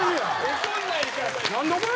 怒んないでくださいよ。